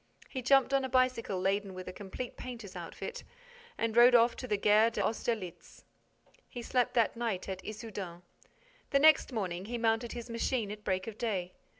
He jumped on a bicycle laden with a complete painter's outfit and rode off to the Gare d'Austerlitz. He slept that night at Issoudun. The next morning, he mounted his machine at break of day.